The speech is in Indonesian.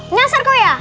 ngasar kau ya